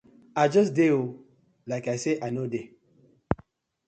I just dey oo, like say I no dey.